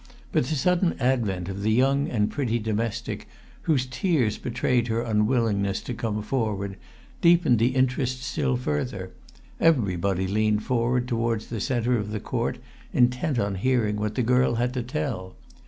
But the sudden advent of the young and pretty domestic, whose tears betrayed her unwillingness to come forward, deepened the interest still further; everybody leaned forward towards the centre of the court, intent on hearing what the girl had to tell.